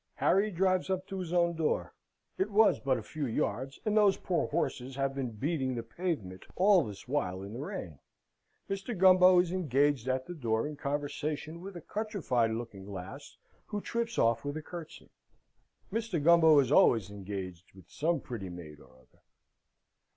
Harry drives up to his own door. It was but a few yards, and those poor horses have been beating the pavement all this while in the rain. Mr. Gumbo is engaged at the door in conversation with a countrified looking lass, who trips off with a curtsey. Mr. Gumbo is always engaged with some pretty maid or other.